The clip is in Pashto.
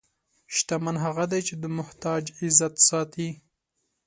شتمن هغه دی چې د محتاج عزت ساتي.